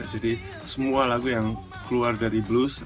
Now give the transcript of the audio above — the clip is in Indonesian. jadi semua lagu yang keluar dari blues